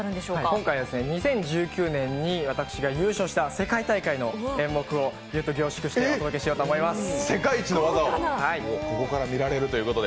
今回２０１９年に私が優勝した世界大会の演目をギュッと凝縮してお届けしようと思います。